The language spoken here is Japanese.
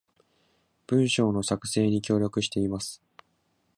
文章の作成に協力しています